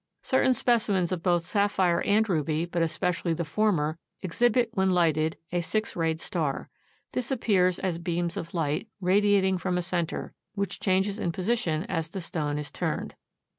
Certain specimens of both sapphire and ruby, but especially the former, exhibit when lighted a six rayed star. This appears as beams of light, radiating from a center, which changes in position as the stone is turned.